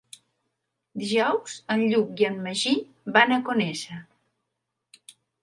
Dijous en Lluc i en Magí van a Conesa.